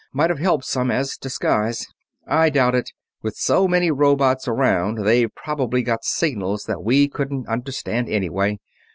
"Might have helped some as disguise." "I doubt it with so many robots around, they've probably got signals that we couldn't understand anyway.